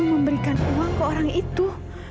memberikan uang ke orang itu